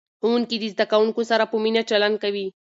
ښوونکي د زده کوونکو سره په مینه چلند کوي.